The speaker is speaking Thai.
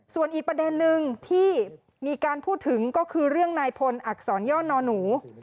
ส่วนอีกประเด็นนึงที่มีการพูดถึงก็คือเรื่องนายพลอักษรย่อนอนหนู